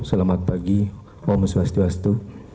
selamat pagi om swastiastu